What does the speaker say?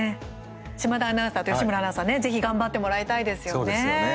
島田アナウンサーと義村アナウンサーねぜひ頑張ってもらいたいですよね。